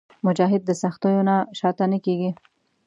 مجاهد د سختیو نه شاته نه کېږي.